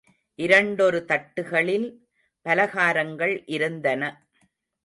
இரண்டொரு தட்டுகளில் பலகாரங்கள் இருந்தன.